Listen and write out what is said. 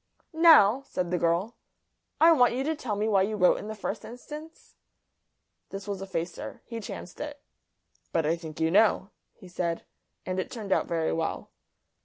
"Now," said the girl, "I want you to tell me why you wrote in the first instance?" This was a facer. He chanced it. "But I think you know," he said; and it turned out very well.